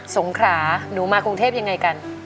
สงขราหนูมากรุงเทพยังไงกัน